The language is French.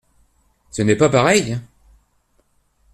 Ce n’est pas pareil.